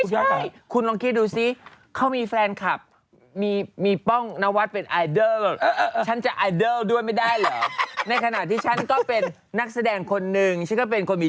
ฉันกลิ่นของฉันเองได้